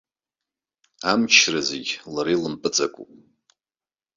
Амчра зегьы лара илымпыҵакуп.